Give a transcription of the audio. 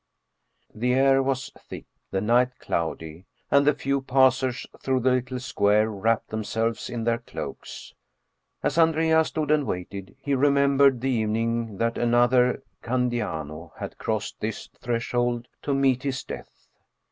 The air was thick, the night cloudy, and the few passers through the little square wrapped them selves in their cloaks. As Andrea stood and waited, he remembered the evening that another Candiano had crossed this threshold to meet his death.